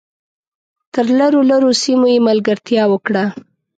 تر لرو لرو سیمو یې ملګرتیا وکړه .